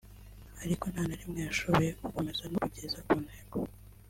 ariko nta na rimwe yashoboye gukomeza no kugeza ku ntego